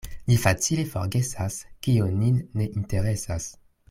Ni facile forgesas, kio nin ne interesas.